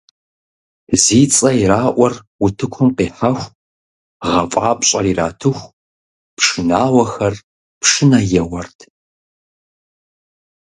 Зи цӀэ ираӀуэр утыкум къихьэху, гъэфӀапщӀэр иратыху, пшынауэхэр пшынэ еуэрт.